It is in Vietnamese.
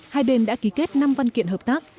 hai bên đã ký kết năm văn kiện hợp tác